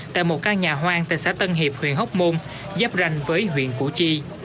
tại một căn nhà hoang tại xã tân hiệp huyện hóc môn giáp ranh với huyện củ chi